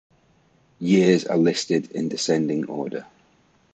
Years are listed in descending order.